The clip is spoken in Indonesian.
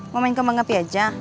mau main kembang api aja